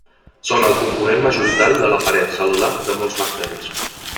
Són el component majoritari de la paret cel·lular de molts bacteris.